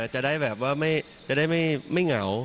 จะได้แบบว่าไม่เหงา